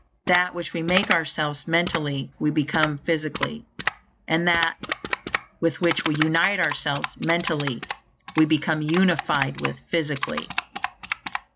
That which we make ourselves, mentally, we become physically; and that with which we unite ourselves mentally we become unified with physically.